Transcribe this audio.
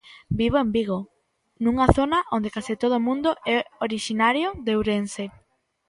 Vivo en Vigo, nunha zona onde case todo o mundo é orixinario de Ourense.